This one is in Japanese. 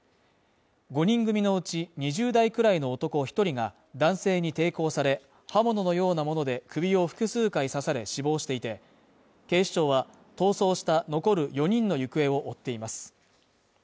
５人組のうち、２０代くらいの男１人が男性に抵抗され、刃物のようなもので首を複数回刺され死亡していて、警視庁は逃走した残る４人の行方を追っています。